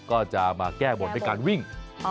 ก็จะมาแก้บนด้วยการวิ่ง